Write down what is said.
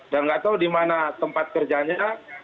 dan nggak tahu di mana tempat kerjanya